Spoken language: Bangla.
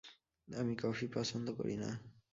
আমি কফি পছন্দ করি না।